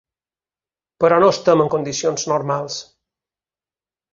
Però no estem en condicions normals.